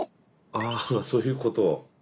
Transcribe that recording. ああそういうこと。